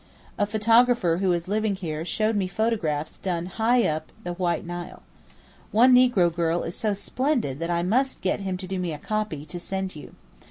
A photographer who is living here showed me photographs done high up the White Nile. One negro girl is so splendid that I must get him to do me a copy to send you.